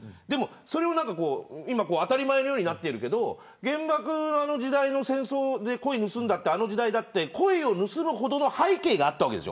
それが当たり前のようになってるけど原爆の時代の戦争でコイを盗むんだっていうのもコイを盗むほどの背景があったんです。